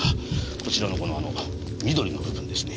こちらのこの緑の部分ですね。